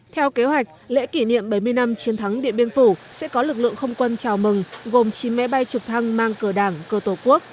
theo kế hoạch lễ kỷ niệm bảy mươi năm chiến thắng điện biên phủ sẽ có lực lượng không quân chào mừng gồm chín máy bay trực thăng mang cờ đảng cờ tổ quốc